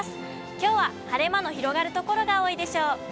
きょうは晴れ間の広がる所が多いでしょう。